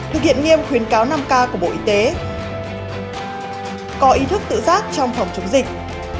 thực hiện nghiêm khuyến cáo năm k của bộ y tế có ý thức tự giác trong phòng chống dịch